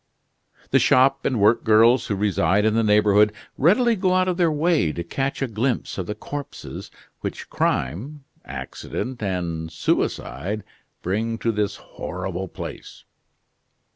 The shop and work girls who reside in the neighborhood readily go out of their way to catch a glimpse of the corpses which crime, accident, and suicide bring to this horrible place.